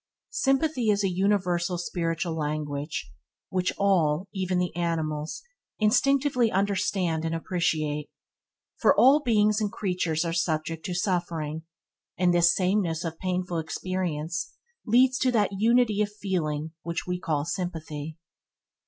Sympathy is a universal spiritual language which all, even the animals, instinctively understand and appreciate, for all beings and creatures are subject to suffering, and this sameness of painful experience leads to that unity of feeling which we call sympathy.